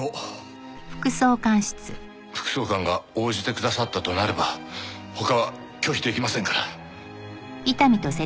副総監が応じてくださったとなれば他は拒否出来ませんから。